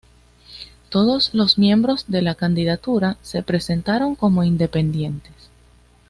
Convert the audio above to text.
Todos los miembros de la candidatura se presentaron como Independientes.